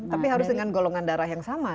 tapi harus dengan golongan darah yang sama